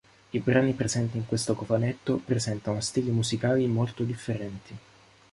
I brani presenti in questo cofanetto presentano stili musicali molto differenti.